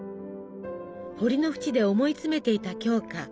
堀の縁で思い詰めていた鏡花。